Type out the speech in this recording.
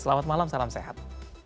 selamat malam salam sehat